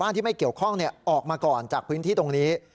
ที่ไม่เกี่ยวข้องออกมาก่อนจากพื้นที่ตรงนี้